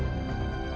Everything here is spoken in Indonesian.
laman ada di dunia ini